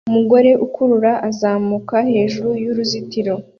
umugore ukurura azamuka hejuru y'uruzitiro